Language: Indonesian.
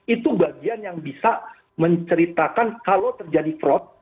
itu bagian yang bisa menceritakan kalau terjadi fraud